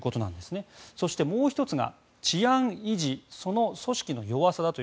そして、もう１つが治安維持組織の弱さ。